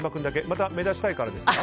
また目立ちたいからですか？